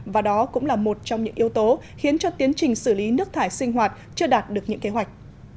và đó cũng là một trong những yếu tố khiến cho tiến trình xử lý nước thải sinh hoạt chưa đạt được những kế hoạch